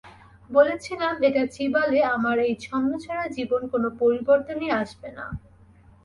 বলেছিলাম, এটা চিবালে আমার এই ছন্নছাড়া জীবনে কোনো পরিবর্তনই আসবে না!